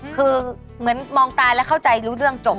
คือเหมือนมองตายแล้วเข้าใจรู้เรื่องจบ